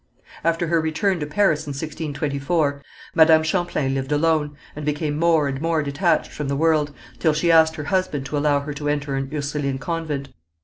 After her return to Paris in 1624, Madame Champlain lived alone, and became more and more detached from the world, till she asked her husband to allow her to enter an Ursuline convent.